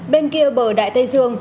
bên kia bờ đại tây dương